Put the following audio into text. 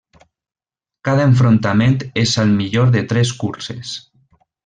Cada enfrontament és al millor de tres curses.